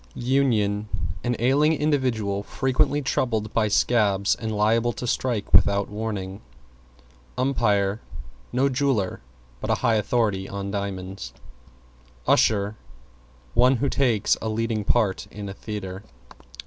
=UNION= An ailing individual frequently troubled by scabs and liable to strike without warning. =UMPIRE= No jeweler, but a high authority on diamonds. =USHER= One who takes a leading part in a theatre.